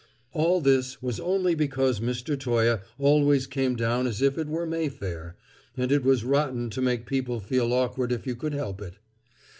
All this was only because Mr. Toye always came down as if it were Mayfair, and it was rotten to make people feel awkward if you could help it.